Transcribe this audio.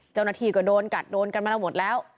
เจ้าหน้าที่ก็โดนกัดโดนกันมาแล้วหมดแล้ว